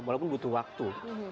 walaupun butuh waktu